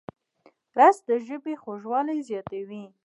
رس د ژبې خوږوالی زیاتوي